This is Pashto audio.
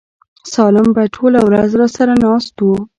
سالم به ټوله ورځ راسره ناست و.